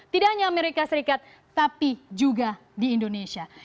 tidak hanya amerika serikat tapi juga di indonesia